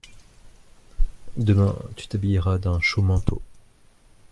Demain tu t’habilleras d’un chaud manteau.